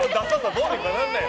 どうにかなんないの？